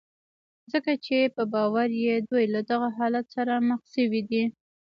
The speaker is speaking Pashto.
ځکه چې په باور يې دوی له دغه حالت سره مخ شوي دي.